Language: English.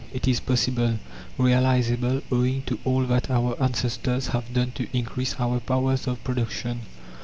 It is possible, realizable, owing to all that our ancestors have done to increase our powers of production.